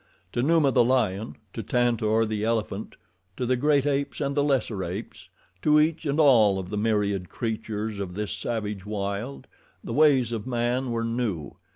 To Numa, the lion, to Tantor, the elephant, to the great apes and the lesser apes, to each and all of the myriad creatures of this savage wild, the ways of man were new.